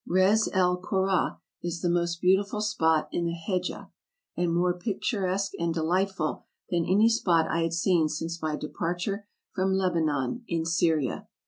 Res el Kora is the most beautiful spot in the Hedjah, and more picturesque and delightful than any spot I had seen since my departure from Lebanon, in Syria.